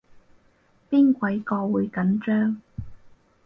邊鬼個會緊張